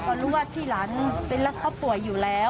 เขารู้ว่าพี่หลานเป็นรักเขาป่วยอยู่แล้ว